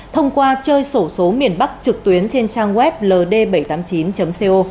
thông qua chơi sổ số miền bắc trực tuyến trên trang web ld bảy trăm tám mươi chín co